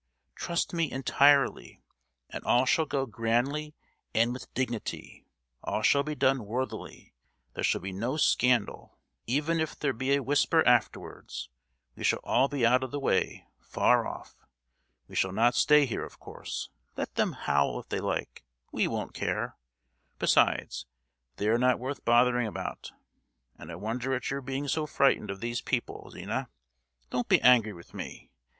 Trust me entirely, and all shall go grandly and with dignity; all shall be done worthily; there shall be no scandal—even if there be a whisper afterwards, we shall all be out of the way, far off! We shall not stay here, of course! Let them howl if they like, we won't care. Besides, they are not worth bothering about, and I wonder at your being so frightened of these people, Zina. Don't be angry with me!